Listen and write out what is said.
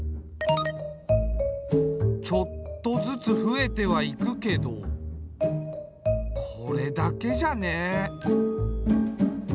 ちょっとずつ増えてはいくけどこれだけじゃね。